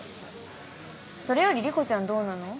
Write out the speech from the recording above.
それより莉子ちゃんどうなの？